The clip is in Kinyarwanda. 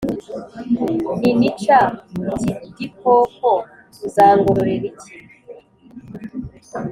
« ninica ikigikoko uzangororera iki?